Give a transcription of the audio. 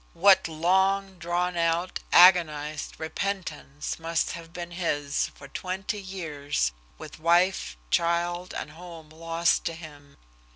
What long drawn out, agonized repentance must have been his for twenty years with wife, child and home lost to him!